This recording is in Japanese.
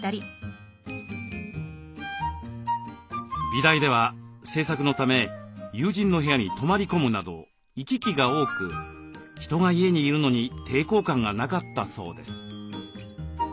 美大では制作のため友人の部屋に泊まり込むなど行き来が多く人が家にいるのに抵抗感がなかったそうです。